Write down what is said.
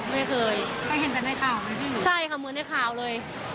ไม่เคยไม่เห็นแต่ในข่าวนะพี่ใช่ค่ะเหมือนในข่าวเลย